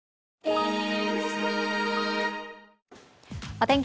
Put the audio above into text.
お天気